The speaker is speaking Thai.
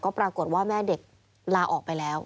ปรากฏว่าแม่เด็กลาออกไปแล้ว